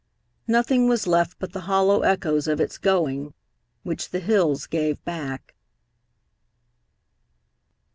Nothing was left but the hollow echoes of its going, which the hills gave back.